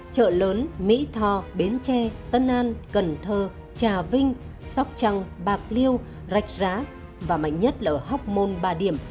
chợ lớn mỹ thò bến tre tân an cần thơ trà vinh sóc trăng bạc liêu rạch rá và mạnh nhất là hóc môn ba điểm